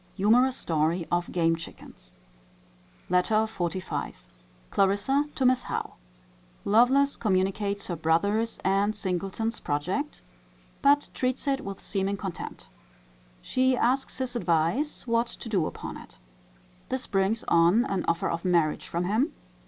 Humourous story of game chickens. LETTER XLV. Clarissa to Miss Howe. Lovelace communicates her brother's and Singleton's project; but treats it with seeming contempt. She asks his advice what to do upon it. This brings on an offer of marriage from him.